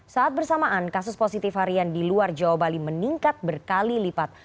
saat bersamaan kasus positif harian di luar jawa bali meningkat berkali lipat